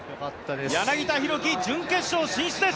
柳田大輝、準決勝進出です！